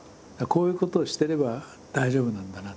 こういうことをしてれば大丈夫なんだな。